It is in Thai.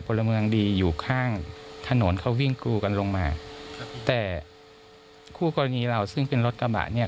พลเมืองดีอยู่ข้างถนนเขาวิ่งกรูกันลงมาแต่คู่กรณีเราซึ่งเป็นรถกระบะเนี่ย